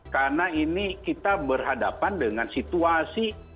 karena ini kita berhadapan dengan situasi